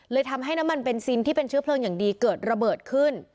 ทำให้น้ำมันเบนซินที่เป็นเชื้อเพลิงอย่างดีเกิดระเบิดขึ้น